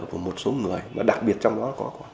của một số người đặc biệt trong đó có